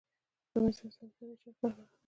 په مېز او څوکۍ کې د چا کار نغښتی دی